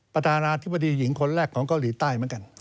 ประธานาธิบดีหญิงคนแรกของเกาหลีใต้